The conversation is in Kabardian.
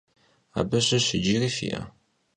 Abı şış yicıri fi'e?